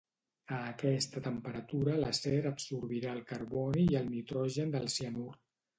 A aquesta temperatura l'acer absorbirà el carboni i el nitrogen del cianur.